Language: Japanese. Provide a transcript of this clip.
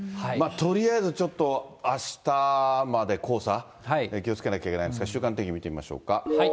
とりあえずちょっと、あしたまで黄砂、気をつけなきゃいけないんですが、週間天気見てみましょうか。